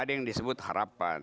ada yang disebut harapan